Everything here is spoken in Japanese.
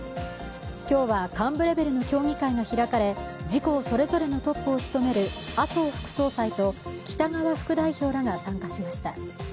今日は、幹部レベルの協議会が開かれ、自公それぞれのトップを務める麻生副総理と北側副代表らが参加しました。